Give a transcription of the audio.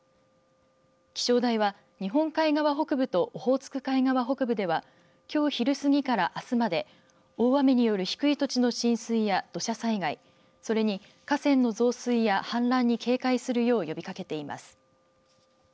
気象台は日本海側北部とオホーツク海側北部ではきょう昼過ぎからあすまで大雨による低い土地の浸水や土砂災害それに河川の増水や氾濫に警戒するよう呼びかけています。